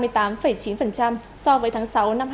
giảm ba mươi tám chín so với tháng sáu năm hai nghìn hai mươi ba